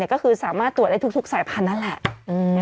ก็คือสามารถตรวจได้ทุกสายพันธุ์นั่นแหละ